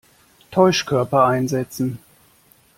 Täuschkörper einsetzen!